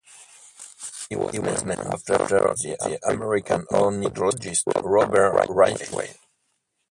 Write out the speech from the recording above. It was named after the American ornithologist Robert Ridgway.